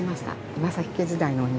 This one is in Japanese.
岩崎家時代のお庭に。